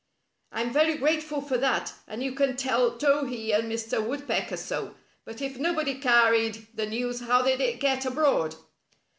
" I'm very grateful for that, and you can tell Towhee and Mr. Woodpecker so. But if nobody carried the news how did it get abroad?"